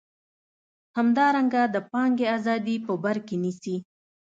همدارنګه د پانګې ازادي په بر کې نیسي.